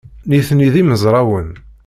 Nitni d imezrawen.